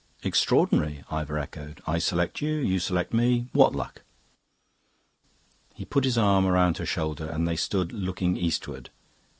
"Extraordinary!" Ivor echoed. "I select you, you select me. What luck!" He put his arm round her shoulders and they stood looking eastward.